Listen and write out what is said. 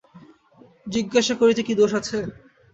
জিজ্ঞাসা করিতে কী দোষ আছে।